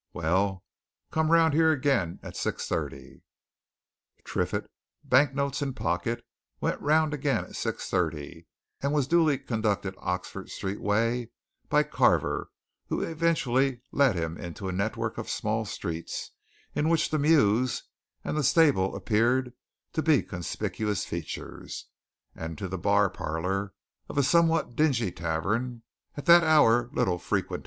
Well, come round here again at six thirty." Triffitt, banknotes in pocket, went round again at six thirty, and was duly conducted Oxford Street way by Carver, who eventually led him into a network of small streets, in which the mews and the stable appeared to be conspicuous features, and to the bar parlour of a somewhat dingy tavern, at that hour little frequented.